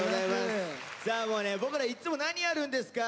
さあもうね僕らいっつも「何やるんですか？」